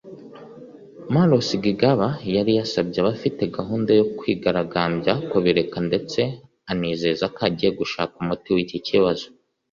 Malusi Gigaba yari yasabye abafite gahunda yo kwigaragambya kubireka ndetse anizeza ko agiye gushaka umuti w’iki kibazo